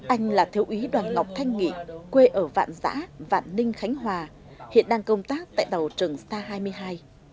anh là thiếu úy đoàn ngọc thanh nghị quê ở vạn giã vạn ninh khánh hòa hiện đang công tác tại tàu trường sa hai mươi hai